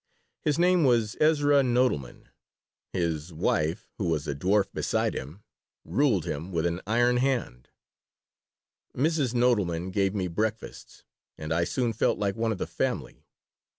His name was Esrah Nodelman. His wife, who was a dwarf beside him, ruled him with an iron hand Mrs. Nodelman gave me breakfasts, and I soon felt like one of the family.